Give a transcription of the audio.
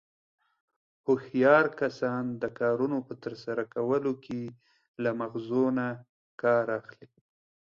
هوښیار کسان د کارنو په ترسره کولو کې له مغزو نه کار اخلي.